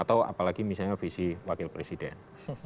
atau apalagi misalnya visi wakil presiden